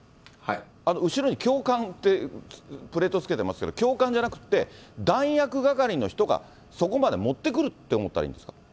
後ろに教官ってプレート付けてますけど、教官じゃなくって、弾薬係の人が、そこまで持ってくるって思ったらいいんですか？